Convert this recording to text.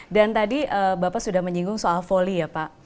dan tadi bapak sudah menyinggung soal foli ya pak